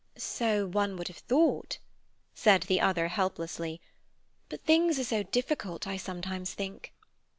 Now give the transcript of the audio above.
"So one would have thought," said the other helplessly. "But things are so difficult, I sometimes think."